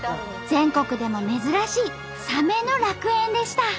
全国でも珍しいサメの楽園でした。